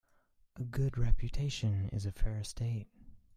A good reputation is a fair estate.